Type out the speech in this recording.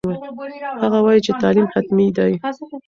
هغه وایي چې تعلیم حتمي دی.